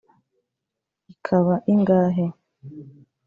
ikaba ingahe